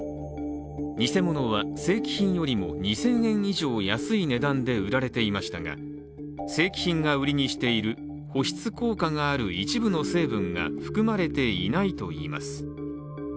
偽物は正規品よりも２０００円以上安い値段で売られていましたが正規品が売りにしている保湿効果がある一部の成分が含まれていないといいます。